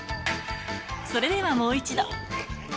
それではもう一度。